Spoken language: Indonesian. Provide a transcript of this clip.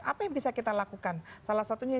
apa yang bisa kita lakukan salah satunya